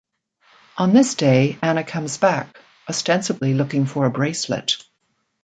On this day, Anna comes back, ostensibly looking for a bracelet.